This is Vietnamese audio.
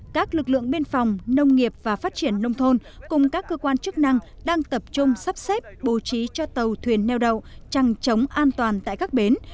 các lực lượng biên phòng nông nghiệp và phát triển nông thôn cùng các cơ quan chức năng đang tập trung sắp xếp bố trí cho tàu thuyền neo đậu chẳng chống an toàn tại các bến